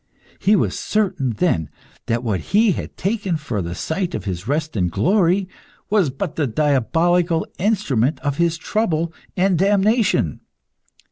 He was certain then that what he had taken for the site of his rest and glory, was but the diabolical instrument of his trouble and damnation.